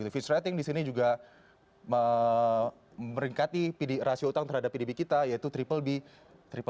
fitch rating di sini juga meringkati rasio utang terhadap pdb kita yaitu bbb